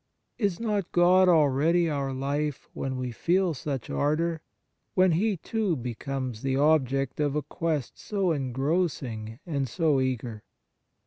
Is not God already our life when we feel such ardour, when He, too, becomes the object of a quest so engrossing and so eager